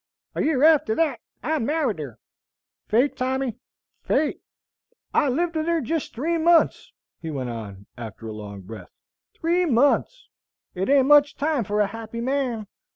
A year after that I married her, Fate, Tommy, Fate! "I lived with her jest three months," he went on, after a long breath, "three months! It ain't much time for a happy man.